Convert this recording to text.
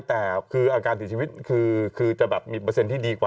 แต่คืออาการเสียชีวิตคือจะแบบมีเปอร์เซ็นต์ที่ดีกว่า